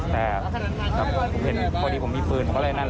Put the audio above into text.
แต่เห็นอย่างพอดีผมมีปืนอะไรนั่นแหละ